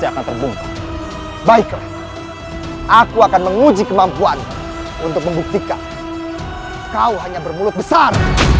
akan terbongkar baiklah aku akan menguji kemampuan untuk membuktikan kau hanya bermulut besar